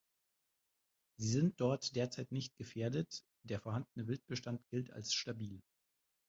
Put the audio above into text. Sie sind dort derzeit nicht gefährdet, der vorhandene Wildbestand gilt als stabil.